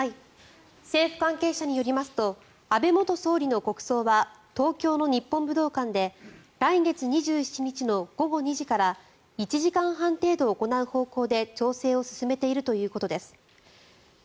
政府関係者によりますと安倍元総理の国葬は東京の日本武道館で来月２７日の午後２時から１時間半程度、行う方向で調整を進めているということです。